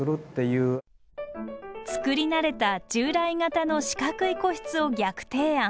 つくり慣れた従来型の四角い個室を逆提案。